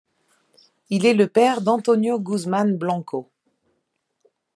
Il est le père d'Antonio Guzmán Blanco.